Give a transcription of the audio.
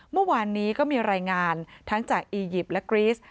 เมื่อวานนี้ก็มีรายงานทั้งจากอียิปต์และกรีส